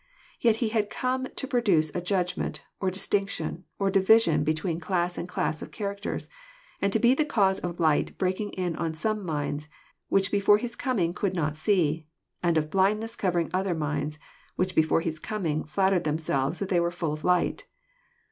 Yet He had come to produce a judgment, or distinction, or division between class and class of characters, and to be the cause of light breaking in on some minds which before His coming could not see, and Of blindness covering other minds which before His coming flattered theraseTves that they were full of light.